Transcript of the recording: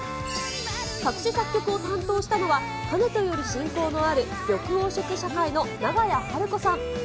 作詞作曲を担当したのは、かねてより親交のある緑黄色社会の長屋晴子さん。